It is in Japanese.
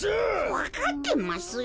わかってますよ。